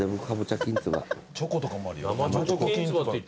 チョコとかもあるよ。